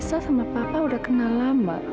tante tante dan papa udah kenal lama